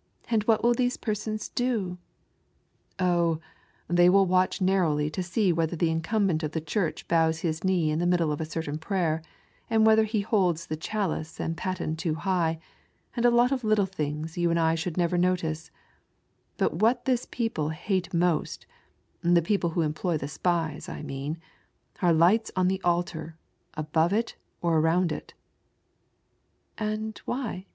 " And what will these persons do ?"" Oh, they will watch narrowly to see whether the incumbent of the church bows his knee in the middle of a certain prayer, and whether he holds the chalice and paten too high, and a lot of little things you and I should never notice. But what this people hate most, the people who employ the spies, I mean, are lights on the altar, above it, or around it." "And why?"